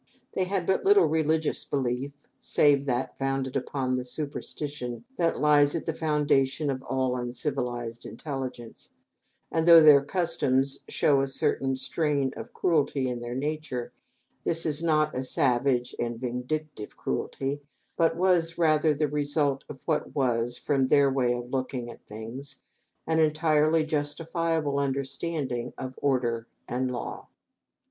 They had but little religious belief, save that founded upon the superstition that lies at the foundation of all uncivilized intelligence, and though their customs show a certain strain of cruelty in their nature, this was not a savage and vindictive cruelty, but was, rather, the result of what was, from their way of looking at things, an entirely justifiable understanding of order and of law.